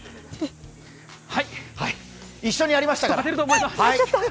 一緒にやりましたから。